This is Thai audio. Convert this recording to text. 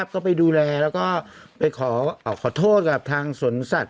ก็ไปดูแลแล้วก็ไปขอโทษกับทางสวนสัตว